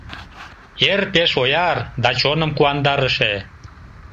Эр пеш ояр да чоным куандарыше.